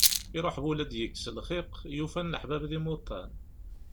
Iṛuḥ wul ad d-yekkes lxiq, yufa-n leḥbab d imuḍan.